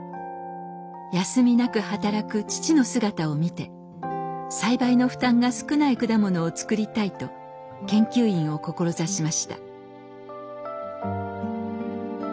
休みなく働く父の姿を見て栽培の負担が少ない果物を作りたいと研究員を志しました。